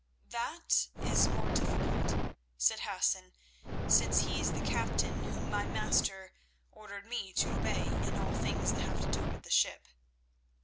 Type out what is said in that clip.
"That is more difficult," said Hassan, "since he is the captain whom my master ordered me to obey in all things that have to do with the ship."